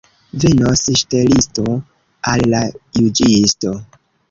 Venos ŝtelisto al la juĝisto.